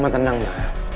mama tenang ya